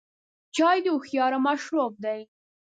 چای د هوښیارو مشروب دی.